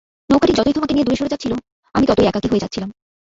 নৌকাটি যতই তোমাকে নিয়ে দূরে সরে যাচ্ছিল, আমি ততই একাকী হয়ে যাচ্ছিলাম।